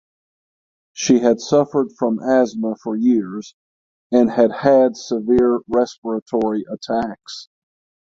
She had suffered from asthma for years and had had severe respiratory attacks.